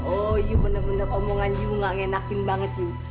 oh yu bener bener omongan yu nggak ngenakin banget yu